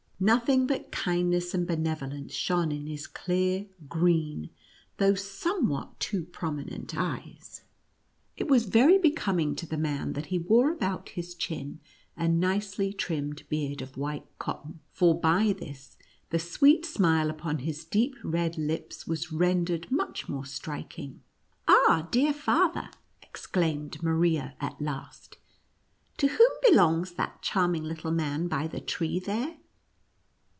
Nothing but kindness and benevolence shone in his clear green, though somewhat too prominent eyes. It was very becoming to the 20 NUTCEACKER AND MOUSE KEN T G. man that he wore about his chin a nicely trim med beard of white cotton, for by this the sweet smile upon Ms deep red lips was rendered much more striking. " Ah, dear father," exclaimed Maria at last, "to whom belongs that charming little man by the tree there